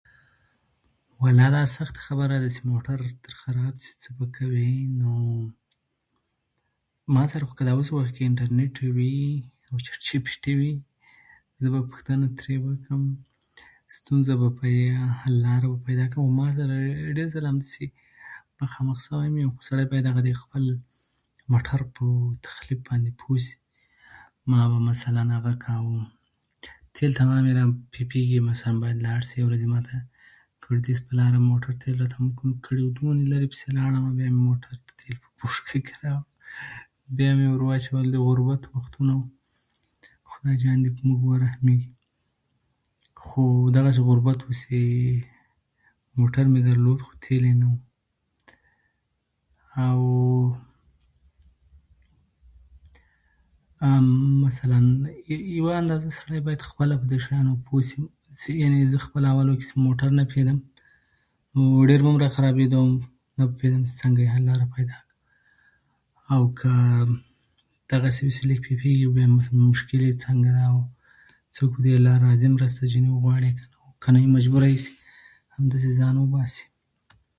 ولا، دا سخته خبره ده چې موټر تر خراب سي، څه به کوې؟ نو ما سره خو که اوس وخت کې دا انټرنېټ وي، چټ جي پي ټي وي، زه به پوښتنه ترېنه وکړم، ستونزه به پرې، حل لاره به پیدا کوم. او ما سره ډېر ځله همداسې مخامخ سوی یم، خو سړی باید د خپل موټر په تخریب باندې باید پوه سي. ما به مثلا اغه کاوه، تیل [unintelligible] مثلا لاړ شې، ماته ګردیز په لار موټر ماته تیل کم کړي وو، دونه لیرې پسې لاړمه. بیا مې موټر ته تېل په بوشکه کې راوړل، بیا مې ورواچول. د غربت وختونه، خدا جان دې په موږ ورحمېږي، خو دغسې غربت و چې موټر مې درلود، خو تېل یې نه وو. او مثلا یوه اندازه سړی خپله په دې شیانو پوه سي، چې زه اول خپله په موټر نه پوهېدم، ډېر به خرابیده، نه به پوهېدم چې څنګه یې حل لاره پیدا کړم. او که دغسې [unintelligible] یو به مشکل یې څنګه، څوک په دې لار راځي، مرسته ځینې وغواړې. که نه وي، مجبوره یې چې همدغسې ځان وباسې.